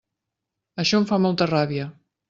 Això em fa molta ràbia.